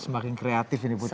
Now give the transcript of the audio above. semakin kreatif ini putri